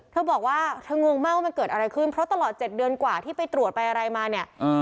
เธอบอกว่าเธองงมากว่ามันเกิดอะไรขึ้นเพราะตลอด๗เดือนกว่าที่ไปตรวจไปอะไรมาเนี่ย